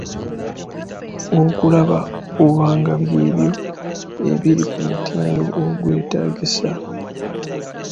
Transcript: Okulaba oba nga by’ebyo ebiri ku mutindo ogwetaagisa.